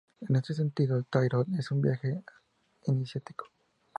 En este sentido, el Tarot es un Viaje Iniciático.